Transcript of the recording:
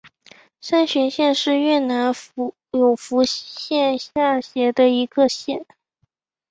三岛县是越南永福省下辖的一个县。